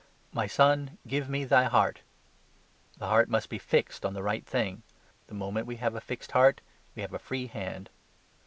"My son give me thy heart"; the heart must be fixed on the right thing: the moment we have a fixed heart we have a free hand.